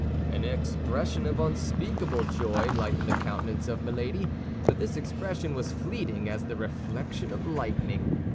An expression of unspeakable joy lightened the countenance of Milady; but this expression was fleeting as the reflection of lightning.